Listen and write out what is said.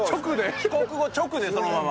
帰国後直でそのまま？